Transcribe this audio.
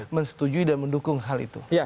menyetujui dan mendukung hal itu